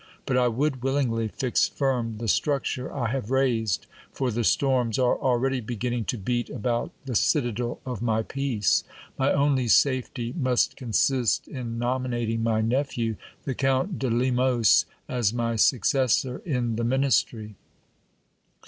But I would willingly fix firm the structure I have raised ; for the storms are already beginning to beat about the citadel of my peace. My only safety must consist in nominating my nephew, the Count de Lemos, as my successor in the ministry.